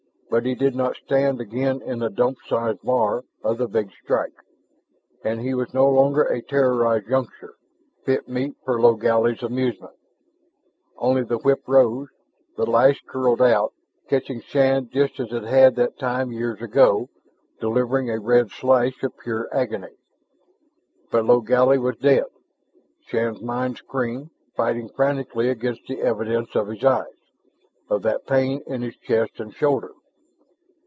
But he did not stand again in the Dump size bar of the Big Strike. And he was no longer a terrorized youngster, fit meat for Logally's amusement. Only the whip rose, the lash curled out, catching Shann just as it had that time years ago, delivering a red slash of pure agony. But Logally was dead, Shann's mind screamed, fighting frantically against the evidence of his eyes, of that pain in his chest and shoulder.